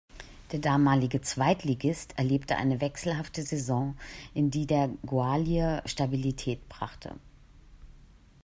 Der damalige Zweitligist erlebte eine wechselhafte Saison, in die der Goalie Stabilität brachte.